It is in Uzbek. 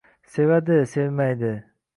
Sevadi-sevmaydi